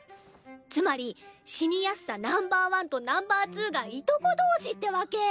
つまり死にやすさナンバー１とナンバー２がいとこ同士ってわけ。